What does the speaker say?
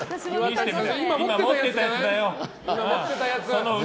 今持ってたやつだよ！